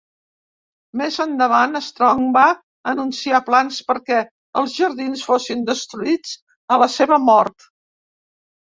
Més endavant, Strong va anunciar plans perquè els jardins fossin "destruïts" a la seva mort.